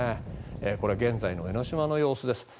これ、現在の江の島の様子です。